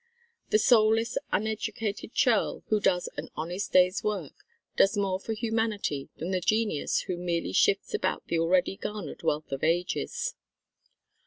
The soulless uneducated churl who does an honest day's work does more for humanity than the genius who merely shifts about the already garnered wealth of ages.